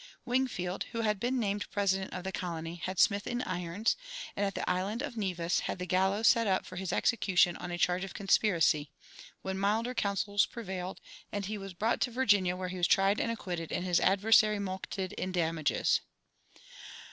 Wingfield, who had been named president of the colony, had Smith in irons, and at the island of Nevis had the gallows set up for his execution on a charge of conspiracy, when milder counsels prevailed, and he was brought to Virginia, where he was tried and acquitted and his adversary mulcted in damages.